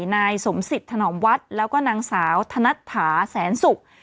นายสมศิษย์ถนอมวัดแล้วก็นางสาวธนัดถาแสนศุกร์